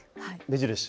目印。